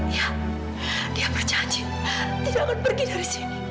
iya dia berjanji dia tidak akan pergi dari sini